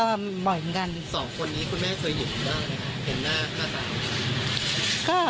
สองคนนี้คุณแม่เคยหยินเหมือนกันไหมคะเห็นหน้าหน้าตา